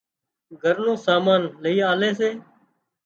گھر نُون سامان لئي آلي سي